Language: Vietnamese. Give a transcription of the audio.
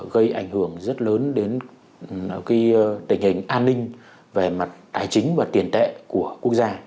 gây ảnh hưởng rất lớn đến tình hình an ninh về mặt tài chính và tiền tệ của quốc gia